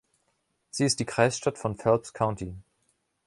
Sie ist die Kreisstadt von Phelps County.